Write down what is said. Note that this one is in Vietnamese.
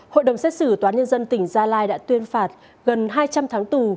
hội đồng xét xử toán nhân dân tỉnh gia lai đã tuyên phạt gần hai trăm linh tháng tù